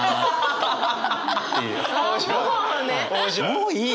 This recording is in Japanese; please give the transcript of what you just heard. もういい！